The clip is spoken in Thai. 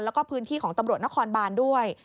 แล้วก็พื้นที่ของตำรวจนครบานด้วย